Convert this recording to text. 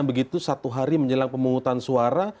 begitu satu hari menjelang pemungutan suara